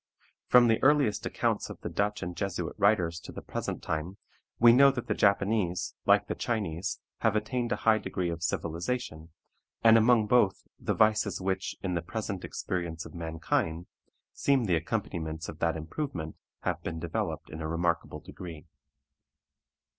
From the earliest accounts of the Dutch and Jesuit writers to the present time, we know that the Japanese, like the Chinese, have attained a high degree of civilization, and among both, the vices which, in the present experience of mankind, seem the accompaniments of that improvement, have been developed in a remarkable degree.